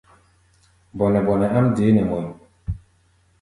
Bɔnɛ-bɔnɛ áʼm deé nɛ mɔʼí̧.